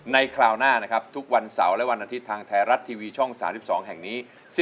คราวหน้านะครับทุกวันเสาร์และวันอาทิตย์ทางไทยรัฐทีวีช่อง๓๒แห่งนี้